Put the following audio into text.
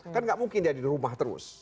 kan nggak mungkin dia di rumah terus